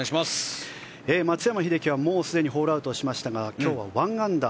松山英樹はすでにホールアウトしましたが今日は１アンダー。